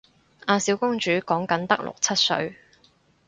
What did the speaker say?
阿小公主講緊得六七歲